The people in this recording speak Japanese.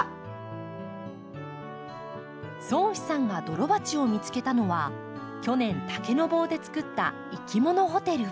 蒼士さんがドロバチを見つけたのは去年竹の棒でつくったいきものホテル。